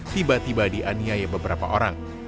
tiba tiba dianiaya beberapa orang